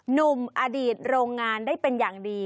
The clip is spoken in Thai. หนุ่มอดีตโรงงานได้เป็นอย่างดี